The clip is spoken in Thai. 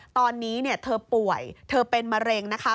ตอนนี้เธอป่วยเธอเป็นมะเร็งนะคะ